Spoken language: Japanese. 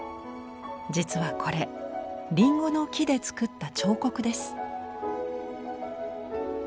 実はこれりんごの木でつくった彫刻です。